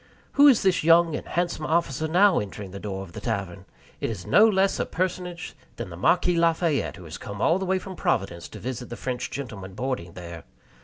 Who is this young and handsome officer now entering the door of the tavern? It is no less a personage than the Marquis Lafayette, who has come all the way from Providence to visit the French gentlemen boarding there.